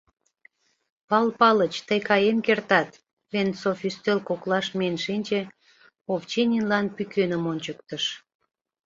— Пал Палыч, тый каен кертат, — Венцов ӱстел коклаш миен шинче, Овчининлан пӱкеным ончыктыш.